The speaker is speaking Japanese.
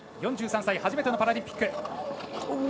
４３歳、初めてのパラリンピック。